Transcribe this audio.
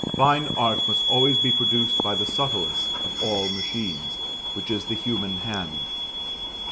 Fine Art must always be produced by the subtlest of all machines, which is the human hand.